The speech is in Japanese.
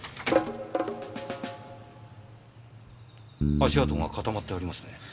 足跡が固まってありますね。